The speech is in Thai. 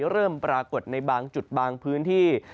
เริ่มปรากฏในบางจุดบางพื้นที่